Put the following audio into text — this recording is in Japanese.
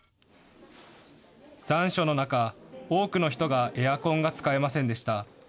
残暑の中、多くの人がエアコンが使えませんでした。